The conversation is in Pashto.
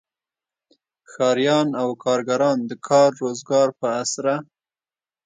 ښاریان او کارګران د کار روزګار په اسره.